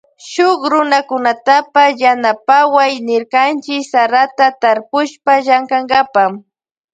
Shuk runakunatapash yanapaway nirkanchi sarata tarpushpa llankankapa.